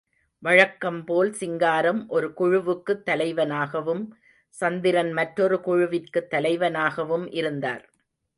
வழக்கம் போல் சிங்காரம் ஒரு குழுவுக்குத் தலைவனாகவும், சந்திரன் மற்றொரு குழுவிற்குத் தலைவனாகவும் இருந்தனர்.